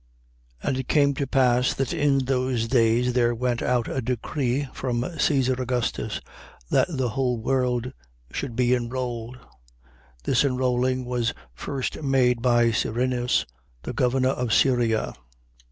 2:1. And it came to pass that in those days there went out a decree from Caesar Augustus that the whole world should be enrolled. 2:2. This enrolling was first made by Cyrinus, the governor of Syria.